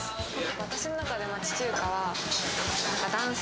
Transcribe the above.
私の中で町中華は男性。